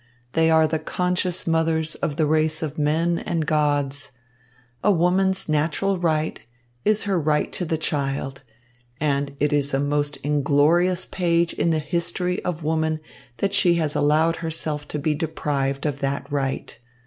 They are the conscious mothers of the race of men and gods. A woman's natural right is her right to the child, and it is a most inglorious page in the history of woman that she has allowed herself to be deprived of that right.